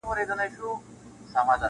• چي لري د ربابونو دوکانونه -